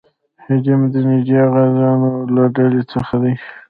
هیلیم د نجیبه غازونو له ډلې څخه دی.